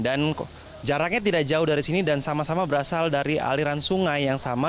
dan jaraknya tidak jauh dari sini dan sama sama berasal dari aliran sungai yang sama